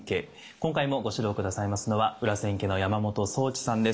今回もご指導下さいますのは裏千家の山本宗知さんです。